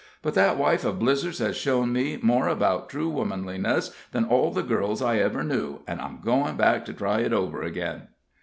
But that wife of Blizzer's has shown me more about true womanliness than all the girls I ever knew, and I'm going back to try it over again."